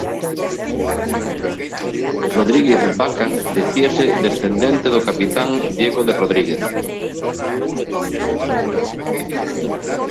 Rodríguez Baca, se decía descendiente del capitán Diego de Rodríguez.